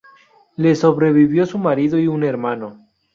Le sobrevivió su marido y un hermano.